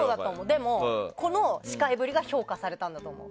でも、この司会ぶりが評価されたんだと思う。